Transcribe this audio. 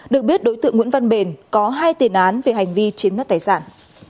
được biết đối tượng nguyễn văn bền có hai tiền án về hành vi chiếm đất tài sản